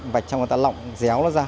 vạch xong rồi ta lọng déo nó ra